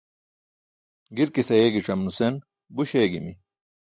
Girkis ayeegicam nusen, buś eegimi.